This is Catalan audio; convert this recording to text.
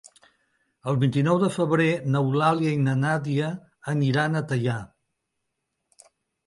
El vint-i-nou de febrer n'Eulàlia i na Nàdia aniran a Teià.